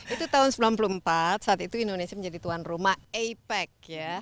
itu tahun seribu sembilan ratus sembilan puluh empat saat itu indonesia menjadi tuan rumah apec ya